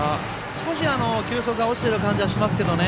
少し球速が落ちている感じはしますけどね。